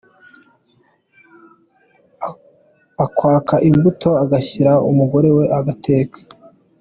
Akwaka imbuto agashyira umugore we agateka.”